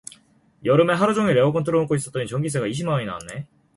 여름에 하루 종일 에어컨 틀어 놓고 있었더니 전기세가 이십만원이 나왔네.